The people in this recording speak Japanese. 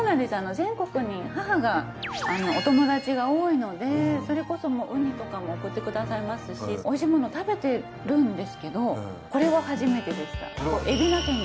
全国に母がお友達が多いのでそれこそウニとかも送ってくださいますしおいしいもの食べてるんですけどこれは初めてでした。